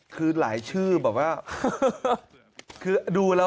คือหลายชื่อแบบว่าคือดูแล้ว